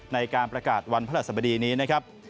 ในการประกาศวันพระราชสมดีนี้นะครับ